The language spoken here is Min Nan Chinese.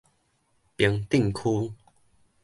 平鎮區